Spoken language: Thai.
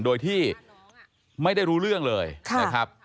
โดยที่ไม่ได้รู้เรื่องเลยนะครับ